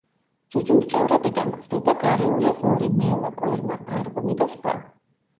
ძუძუმწოვრებიდან გვხვდება: გარეული ღორი, მელა, კვერნა, ყარყუმი და სხვა.